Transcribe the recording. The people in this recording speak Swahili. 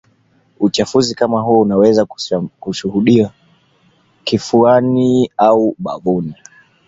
uchafu kama huo unaweza kushuhudiwa kifuani au ubavuni